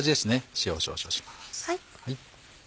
塩少々します。